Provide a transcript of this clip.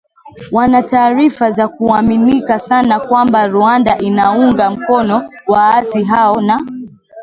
wana taarifa za kuaminika sana kwamba Rwanda inaunga mkono waasi hao na